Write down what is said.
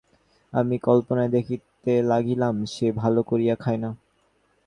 আমি কল্পনায় দেখিতে লাগিলাম, সে ভালো করিয়া খায় না।